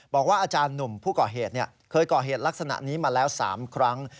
อาจารย์หนุ่มผู้ก่อเหตุเคยก่อเหตุลักษณะนี้มาแล้ว๓ครั้ง